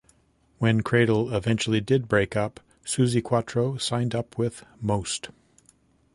When Cradle eventually did break up, Suzi Quatro signed up with Most.